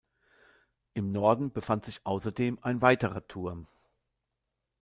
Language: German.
Im Norden befand sich außerdem ein weiterer Turm.